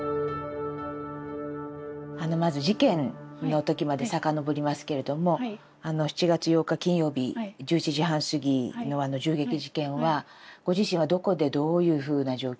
まず事件の時まで遡りますけれども７月８日金曜日１１時半過ぎのあの銃撃事件はご自身はどこでどういうふうな状況でお聞きになりましたか？